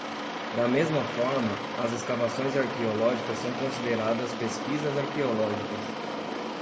Da mesma forma, as escavações arqueológicas são consideradas pesquisas arqueológicas.